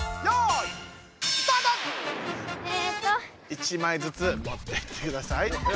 １まいずつもってってください。